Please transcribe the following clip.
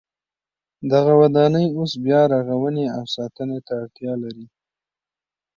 دغه ودانۍ اوس بیا رغونې او ساتنې ته اړتیا لري.